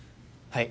はい。